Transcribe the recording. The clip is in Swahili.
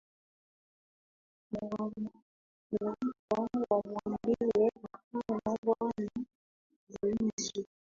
na wa wamwambie hapana bwana zuio